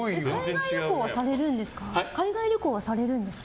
海外旅行はされるんですか？